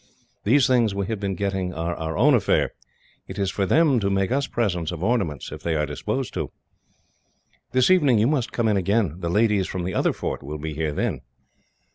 These things we have been getting are our own affair. It is for them to make us presents of ornaments, if they are disposed to. "This evening you must come in again. The ladies from the other fort will be here, then."